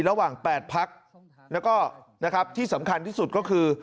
ระหว่าง๘พักแล้วก็นะครับที่สำคัญที่สุดก็คือ